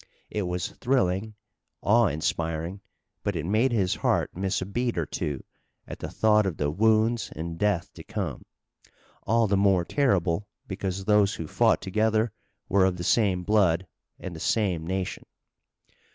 It was thrilling, awe inspiring, but it made his heart miss a beat or two at the thought of the wounds and death to come, all the more terrible because those who fought together were of the same blood, and the same nation.